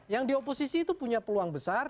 yang di oposisi itu punya peluang besar